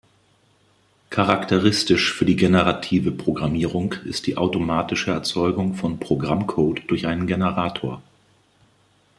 Charakteristisch für die generative Programmierung ist die automatische Erzeugung von Programmcode durch einen Generator.